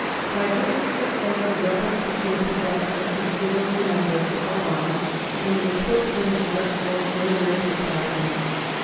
By this success the rebels became possessed of a considerable number of carbines, and were put in heart for further enterprises.